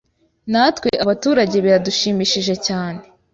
natwe abaturage biradushimishije cyane.